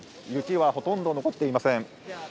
雪はほとんど残っていません。